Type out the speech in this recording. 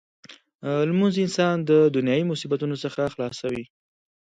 لمونځ انسان د دنیايي مصیبتونو څخه خلاصوي.